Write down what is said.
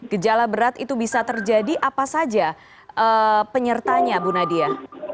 gejala berat itu bisa terjadi apa saja penyertanya bu nadia